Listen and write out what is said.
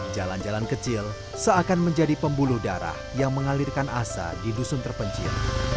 jalan jalan kecil seakan menjadi pembuluh darah yang mengalirkan asa di dusun terpencil